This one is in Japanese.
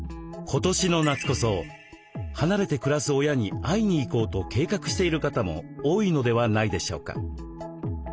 今年の夏こそ離れて暮らす親に会いに行こうと計画している方も多いのではないでしょうか？